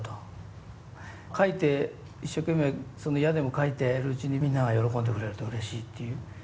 書いて一生懸命嫌でも書いてるうちにみんなが喜んでくれるとうれしいっていう。